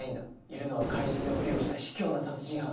いるのは怪人のふりをした卑怯な殺人犯だ。